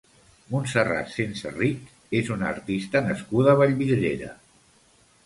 Montserrat Senserrich és una artista nascuda a Vallvidrera.